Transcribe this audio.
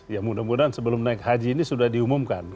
ya mudah mudahan sebelum naik haji ini sudah diumumkan